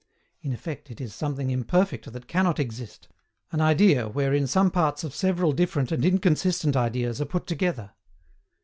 In effect, it is something imperfect that cannot exist, an idea wherein some parts of several different and INCONSISTENT ideas are put together.